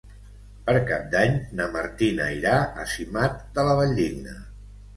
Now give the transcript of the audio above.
Per Cap d'Any na Martina irà a Simat de la Valldigna.